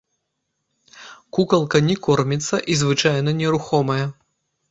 Кукалка не корміцца і звычайна нерухомая.